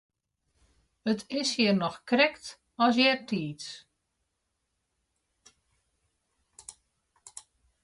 It is hjir noch krekt as eartiids.